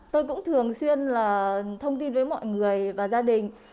tôi cũng thường xuyên là thông tin với mọi người và gia đình